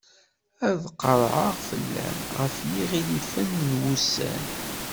Ad qerɛeɣ fell-am, ɣef yiɣilifen n wussan.